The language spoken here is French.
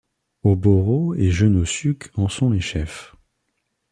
Oboro et Gennosuke en sont les chefs.